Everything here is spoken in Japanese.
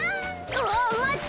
あまって！